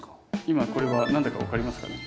今これは何だか分かりますかね？